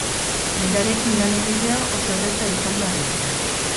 Berarekin lan egitea oso erreza izan da beti.